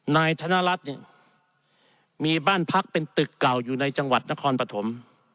นายธนรัฐเนี่ยมีบ้านพักเป็นตึกเก่าอยู่ในจังหวัดนครปฐม